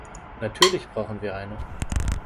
Natürlich brauchen wir eine.